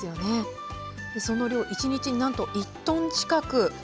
その量１日になんと１トン近く。